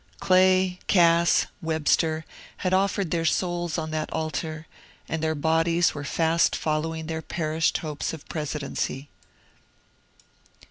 Clay, Cass, Webster, had offered their souls on that altar, and their bodies were fast following their perished hopes of presidency.